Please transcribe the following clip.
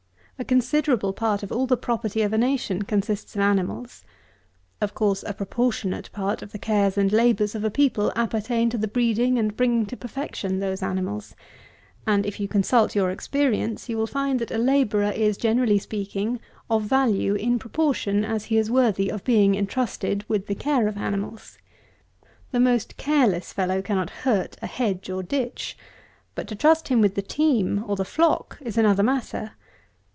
A considerable part of all the property of a nation consists of animals. Of course a proportionate part of the cares and labours of a people appertain to the breeding and bringing to perfection those animals; and, if you consult your experience, you will find that a labourer is, generally speaking, of value in proportion as he is worthy of being intrusted with the care of animals. The most careless fellow cannot hurt a hedge or ditch; but to trust him with the team, or the flock, is another matter.